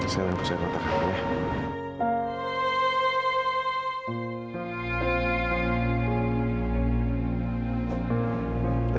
sekarang aku serah air mata kamu ya